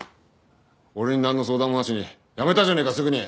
俺になんの相談もなしに辞めたじゃねえかすぐに。